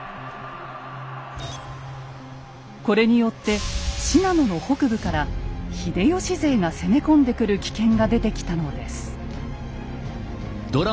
これによって信濃の北部から秀吉勢が攻め込んでくる危険が出てきたのです。